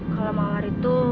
kalau mawar itu